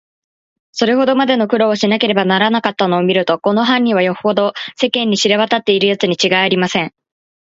それほどまでの苦労をしなければならなかったのをみると、この犯人は、よほど世間に知れわたっているやつにちがいありません。